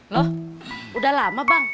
loh udah lama bang